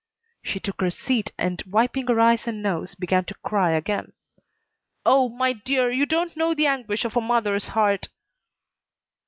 She took her seat and, wiping her eyes and nose, began to cry again. "Oh, my dear, you don't know the anguish of a mother's heart!"